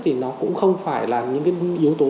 thì nó cũng không phải là những yếu tố